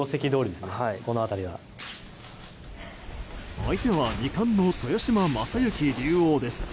相手は二冠の豊島将之竜王です。